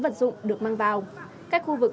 vật dụng được mang vào các khu vực